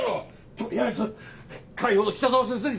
取りあえず海王の北澤先生に連絡を！